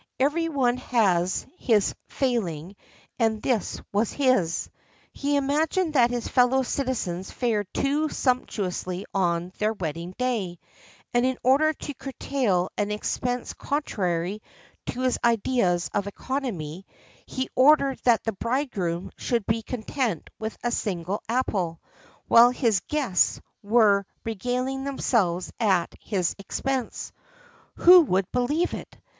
Every one has his failing, and this was his: he imagined that his fellow citizens fared too sumptuously on their wedding day; and, in order to curtail an expense contrary to his ideas of economy, he ordered that the bridegroom should be content with a single apple, while his guests were regaling themselves at his expense. Who would believe it?